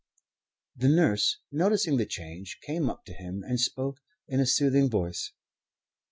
The nurse, noticing the change, came up to him and spoke in a soothing voice.